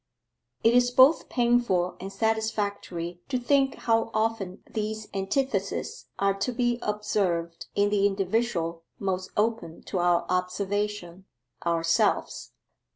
It is both painful and satisfactory to think how often these antitheses are to be observed in the individual most open to our observation ourselves.